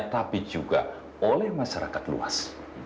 tapi juga oleh masyarakat luas